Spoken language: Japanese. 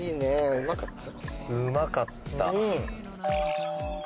うまかった。